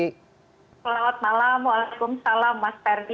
selamat malam waalaikumsalam mas ferdi